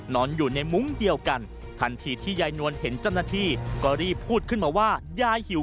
นอนอยู่ในมุ้งเดียวกันทันทีที่ยายนวลเห็นเจ้าหน้าที่ก็รีบพูดขึ้นมาว่ายายหิว